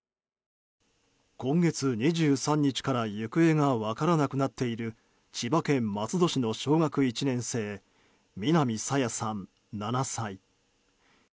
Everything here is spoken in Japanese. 今月２３日から行方が分からなくなっている千葉県松戸市の小学１年生南朝芽さん、７歳。